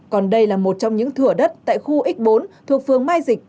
còn đây là một trong những thửa đất tại khu x bốn thuộc phường mai dịch